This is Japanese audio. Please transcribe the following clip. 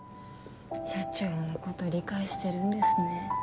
社長の事理解してるんですね。